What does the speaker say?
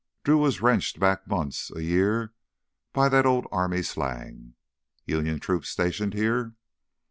Drew was wrenched back months, a year, by that old army slang. "Union troops stationed here?"